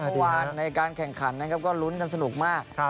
เมื่อวานในการแข่งขันก็รุ้นกันสนุกมาก